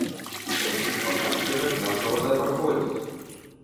Па ўсіх паказчыках наша вада праходзіць.